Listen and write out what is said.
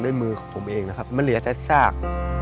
ด้วยมือของผมเองนะครับมันเหลียวแท้สร้าง